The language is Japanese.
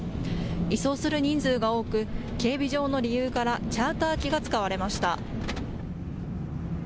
移送する人数が多く警備上の理由からチャーター機が使われました。